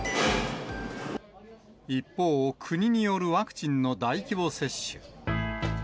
一方、国によるワクチンの大規模接種。